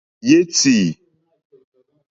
Yétì.